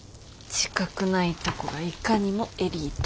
自覚ないとこがいかにもエリート。